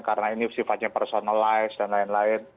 karena ini sifatnya personalize dan lain lain